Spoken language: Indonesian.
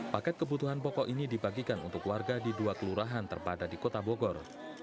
paket kebutuhan pokok ini dibagikan untuk warga di dua kelurahan terpada di kota bogor